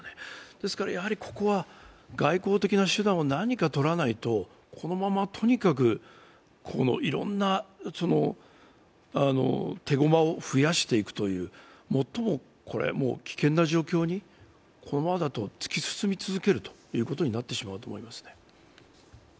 ですから、ここは外交的な手段を何か取らないとこのままとにかく、いろんな手駒を増やしていくという、最も危険な状況に、このままだと突き進み続けることになってしまうと思いますね。